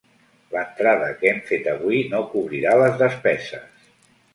L'entrada que hem fet avui no cobrirà les despeses.